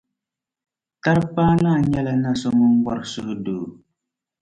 Tarikpaa Naa nyɛla na so ŋun bɔri suhudoo.